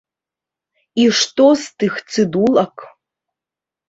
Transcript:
І што з тых цыдулак?